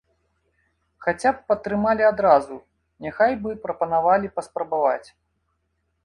Хаця б падтрымалі адразу, няхай бы прапанавалі паспрабаваць.